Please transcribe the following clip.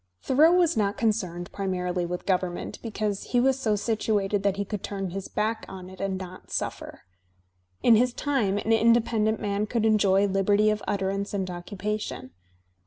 Thoreau was not concerned primarily with government, because he was so situated that he could turn his back on it and not suffer. In his time an independent man could enjoy Uberty of utterance and occupation.